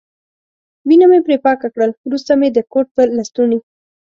وینه مې پرې پاکه کړل، وروسته مې د کوټ په لستوڼي.